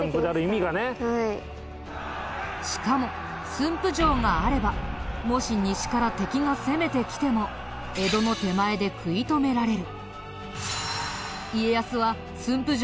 しかも駿府城があればもし西から敵が攻めてきても江戸の手前で食い止められる。